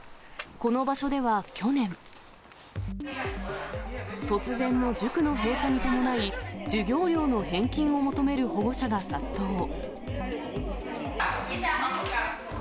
この場所では去年、突然の塾の閉鎖に伴い、授業料の返金を求める保護者が殺到。